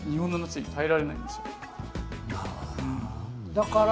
だから？